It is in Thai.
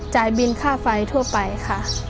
บินค่าไฟทั่วไปค่ะ